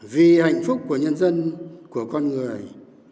vì hạnh phúc của nhân dân của con người